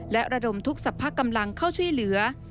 และระดมทุกสรรพกำลังเข้าช่วยเหลือ